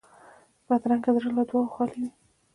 بدرنګه زړه له دعاوو خالي وي